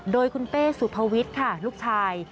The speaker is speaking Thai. โดยคุณเป้สุภวิทย์ค่ะลูกชาย